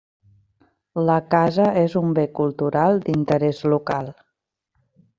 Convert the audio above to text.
La casa és un bé cultural d'interès local.